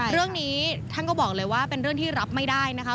เรื่องนี้ท่านก็บอกเลยว่าเป็นเรื่องที่รับไม่ได้นะคะ